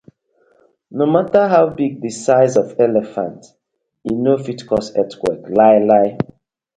No matta how big di size of elephant, e no fit cause earthquake lai la.